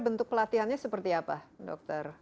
bentuk pelatihannya seperti apa dokter